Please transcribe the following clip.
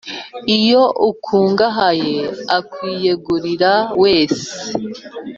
Iyo ukungahaye, akwiyegurira wese,